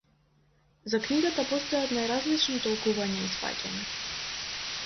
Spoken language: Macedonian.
За книгата постојат најразлични толкувања и сфаќања.